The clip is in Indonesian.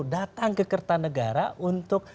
datang ke kertanegara untuk